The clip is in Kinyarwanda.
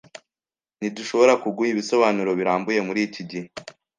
Ntidushobora kuguha ibisobanuro birambuye muriki gihe.